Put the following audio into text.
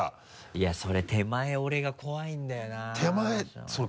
いやそれ手前折れが怖いんだよ手前そう。